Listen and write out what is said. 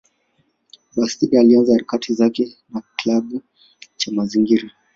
Bastida alianza harakati zake na kilabu cha mazingira.